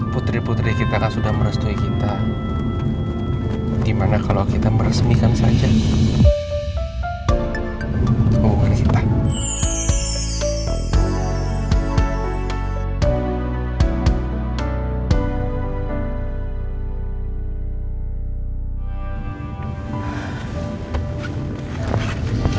putri putri kita sudah merestui kita dimana kalau kita meresmikan saja